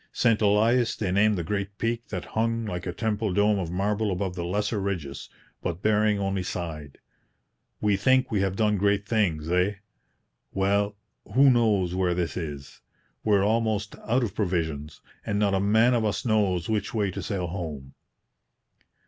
St Elias they named the great peak that hung like a temple dome of marble above the lesser ridges; but Bering only sighed. 'We think we have done great things, eh? Well, who knows where this is? We're almost out of provisions, and not a man of us knows which way to sail home.'